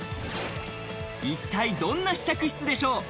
一体どんな試着室でしょう？